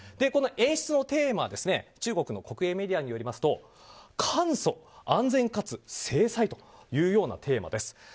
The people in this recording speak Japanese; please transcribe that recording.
演出のテーマは中国の国営メディアによると「簡素・安全かつ精彩」というようなテーマです。